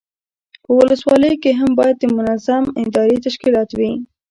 په ولسوالیو کې هم باید منظم اداري تشکیلات وي.